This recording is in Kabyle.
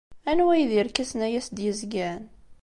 Anwa ay d irkasen ay as-d-yezgan?